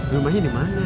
rumahnya di mana